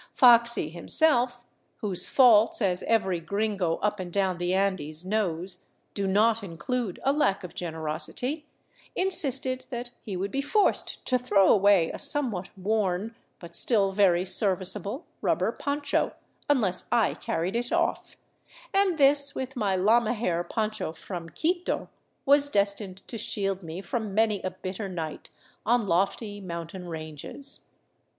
" Foxy " himself, whose faults, as every gringo up and down the Andes knows, do not include a lack of generosity, insisted that he would be forced to throw away a somewhat worn, but still very serviceable, rubber poncho, unless I car ried it off ; and this, with my llama hair poncho from Quito, was des tined to shield me from many a bitter night on lofty mountain ranges.